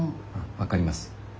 分かります。